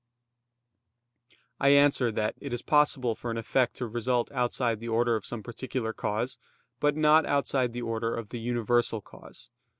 I answer that, It is possible for an effect to result outside the order of some particular cause; but not outside the order of the universal cause.